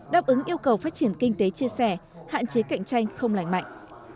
đáp ứng yêu cầu phát triển kinh tế chia sẻ hạn chế cạnh tranh không lành mạnh